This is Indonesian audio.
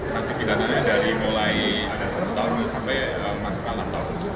sanksi pidana dari mulai ada satu tahun sampai masuk aktor